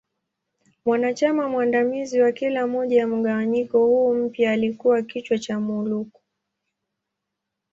Mwanachama mwandamizi wa kila moja ya mgawanyiko huu mpya alikua kichwa cha Muwuluko.